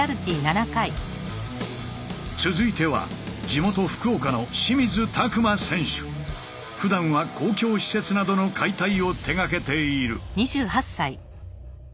続いてはふだんは公共施設などの解体を手がけている。